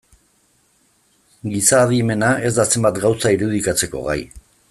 Giza adimena ez da zenbait gauza irudikatzeko gai.